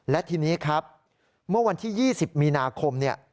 และทีนี้ครับเมื่อวันที่๒๐มีนาคมเนี่ย